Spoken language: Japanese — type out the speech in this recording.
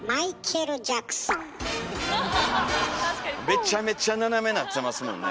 めちゃめちゃ斜めなってますもんね。